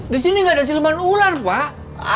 di sini nggak ada silman ular pak